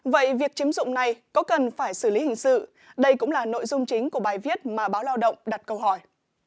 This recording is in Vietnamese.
vậy việc chiếm dụng này có cần phải xử lý hình sự đây cũng là nội dung chính của bài viết mà báo lao động đặt câu hỏi